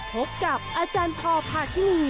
พบกับอาจารย์พอพาคินี